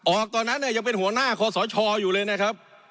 ตอนนั้นเนี่ยยังเป็นหัวหน้าคอสชอยู่เลยนะครับ